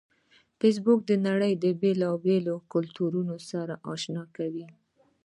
فېسبوک د نړۍ د بیلابیلو کلتورونو سره آشنا کوي